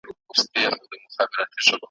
سندره `